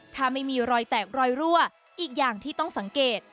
ถ้าไม่มีรอยแตกรอยรั่วอีกอย่างที่ต้องสังเกต